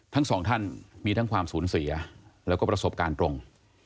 ทั้งสองท่านมีทั้งความสูญเสียแล้วก็ประสบการณ์ตรง